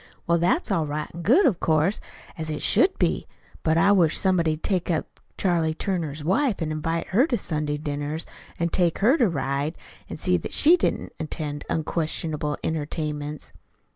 Well, that's all right an' good, of course, an' as it should be. But I wish somebody'd take up Charlie Turner's wife an' invite her to Sunday dinners an' take her to ride, an' see that she didn't attend unquestionable entertainments."